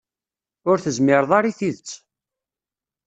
Ur tezmireḍ ara i tidet.